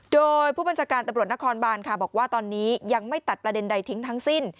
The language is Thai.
โดยผู้บัญชาการตำรวจนครบานค่ะบอกว่าตอนนี้ยังไม่ตัดประเด็นใดทิ้งทั้งสิ้น